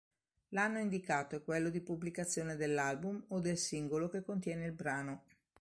L'anno indicato è quello di pubblicazione dell'album o del singolo che contiene il brano.